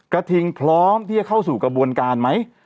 กระทิงพร้อมที่จะเข้าสู่กระบวนการไหม